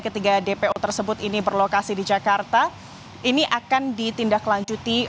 ketika pada saat penanganan di awal tadi